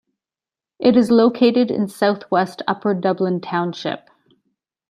It is located in southwest Upper Dublin Township.